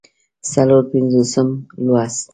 څلور پينځوسم لوست